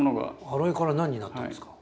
アロエから何になったんですか？